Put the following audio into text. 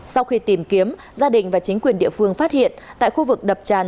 sau khi tìm kiếm gia đình và chính quyền địa phương phát hiện tại khu vực đập tràn